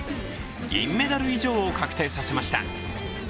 銀メダル以上を確定させました。